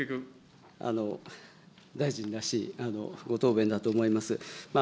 大臣らしいご答弁だと思います。